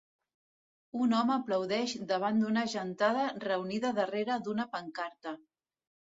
Un home aplaudeix davant d'una gentada reunida darrere d'una pancarta.